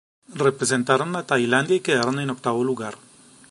Representaron a Tailandia y quedaron en octavo lugar.